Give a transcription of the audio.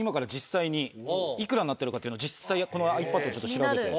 幾らになってるかというのを実際このｉＰａｄで調べて。